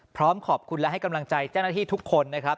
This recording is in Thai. พร้อมขอบคุณและให้กำลังใจเจ้าหน้าที่ทุกคนนะครับ